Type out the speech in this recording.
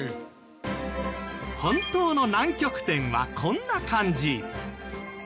本当の南極点はこんな感じ。